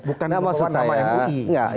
bukan maksud sama mui